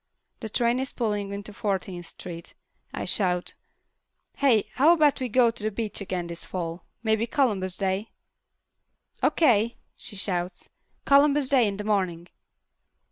The train is pulling into Fourteenth Street. I shout, "Hey, how about we go to the beach again this fall? Maybe Columbus Day?" "O.K.!" she shouts. "Columbus Day in the morning."